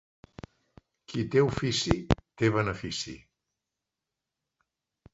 Qui té ofici, té benefici.